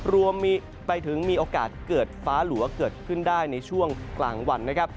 รวมไปถึงมีโอกาสเกิดฟ้าหลัวเกิดขึ้นได้ในช่วงกลางวันนะครับ